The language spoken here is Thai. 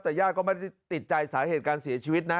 แต่ญาติก็ไม่ได้ติดใจสาเหตุการเสียชีวิตนะ